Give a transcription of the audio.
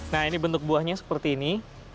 nah ini bentuk buahnya seperti ini